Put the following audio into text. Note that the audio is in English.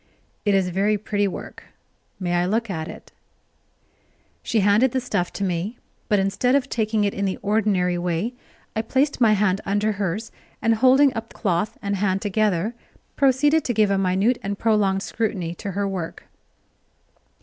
"It is very pretty work may I look at it?" She handed the stuff to me, but instead of taking it in the ordinary way, I placed my hand under hers, and, holding up cloth and hand together, proceeded to give a minute and prolonged scrutiny to her work.